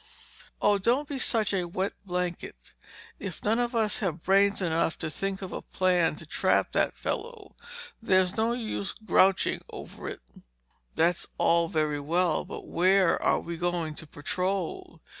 "Oh, don't be such a wet blanket! If none of us have brains enough to think of a plan to trap that fellow, there's no use grouching over it!" "That's all very well. But where are we going to patrol?